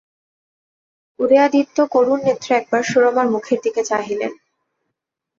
উদয়াদিত্য করুণনেত্রে একবার সুরমার মুখের দিকে চাহিলেন।